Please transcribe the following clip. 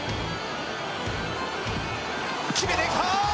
決めていった！